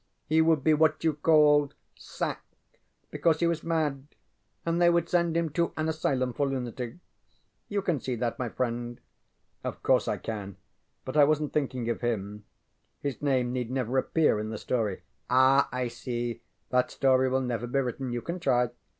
He would be what you called sack because he was mad, and they would send him to an asylum for lunatics. You can see that, my friend. ŌĆØ ŌĆ£Of course I can, but I wasnŌĆÖt thinking of him. His name need never appear in the story. ŌĆØ ŌĆ£Ah! I see. That story will never be written. You can try.